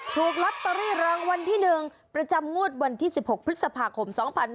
ถูกลอตเตอรี่รางวัลที่๑ประจำงวดวันที่๑๖พฤษภาคม๒๕๖๒